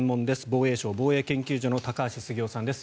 防衛省防衛研究所の高橋杉雄さんです。